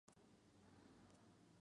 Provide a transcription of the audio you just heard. Tanner nació en Innsbruck, Austria.